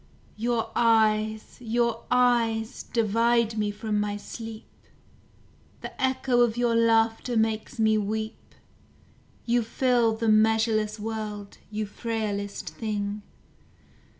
Your eyes, your eyes, divide me from my sleep; The echo of your laughter makes me weep, You fill the measureless world, you frailest thing!